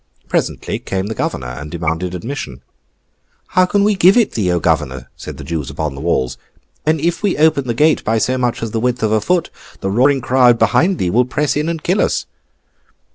Presently came the Governor, and demanded admission. 'How can we give it thee, O Governor!' said the Jews upon the walls, 'when, if we open the gate by so much as the width of a foot, the roaring crowd behind thee will press in and kill us?